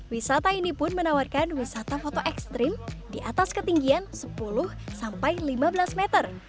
wisata ini pun menawarkan wisata foto ekstrim di atas ketinggian sepuluh sampai lima belas meter